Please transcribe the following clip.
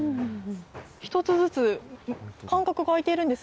１つずつ間隔が空いているんです。